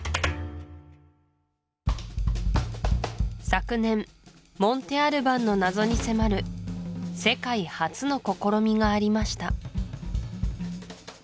昨年モンテ・アルバンの謎に迫る世界初の試みがありました